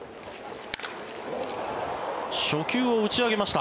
初球を打ち上げました。